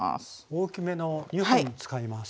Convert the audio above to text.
大きめの２本使います。